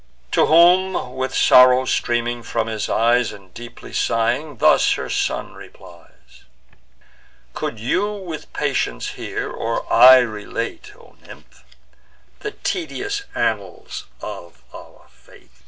To whom, with sorrow streaming from his eyes, And deeply sighing, thus her son replies: "Could you with patience hear, or I relate, O nymph, the tedious annals of our fate!